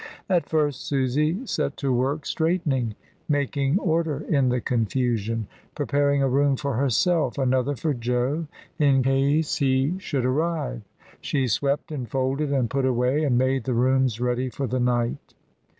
At first Susy set to work straightening, making order in the confusion, pre paring a room for herself, another for Jo in case he should arrive. She swept and folded and put away, and made the rooms ready for the night.